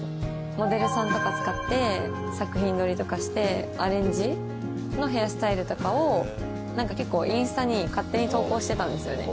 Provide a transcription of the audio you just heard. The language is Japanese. モデルさんとか使って作品撮りとかしてアレンジのヘアスタイルとかをなんか結構インスタに勝手に投稿してたんですよね。